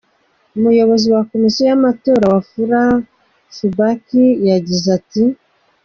Umuyobozi wa Komisiyo y'amatora, Wafula Chbukati, yagize ati:.